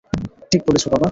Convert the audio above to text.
ঠিক বলেছ বাবা।